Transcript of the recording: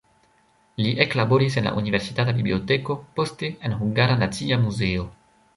Li eklaboris en la universitata biblioteko, poste en Hungara Nacia Muzeo.